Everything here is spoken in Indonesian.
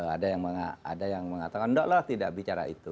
ada yang mengatakan tidaklah tidak bicara itu